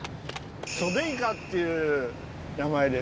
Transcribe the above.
ソデイカっていう名前です。